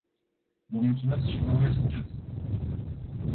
Vă mulțumesc și vă doresc succes.